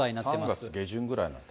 ３月下旬ぐらい。